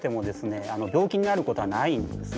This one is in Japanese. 病気になることはないんですね。